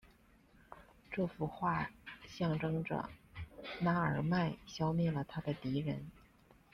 这幅画象征着那尔迈消灭了他的敌人。